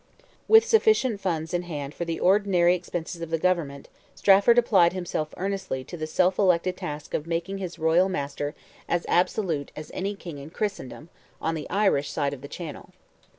With sufficient funds in hand for the ordinary expenses of the government, Strafford applied himself earnestly to the self elected task of making his royal master "as absolute as any King in Christendom" on the Irish side of the channel.